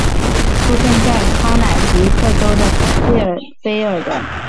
出生在康乃狄克州的费尔菲尔德。